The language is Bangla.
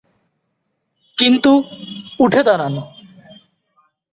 কিন্তু উঠে দাঁড়ান।